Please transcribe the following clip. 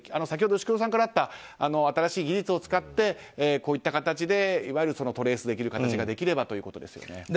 先ほど、牛窪さんからあった新しい技術を使ってこういった形でトレースできる形ができればということですね。